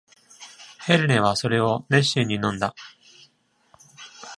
ヘレネはそれを熱心に飲んだ。